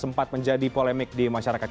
sempat menjadi polemik di masyarakat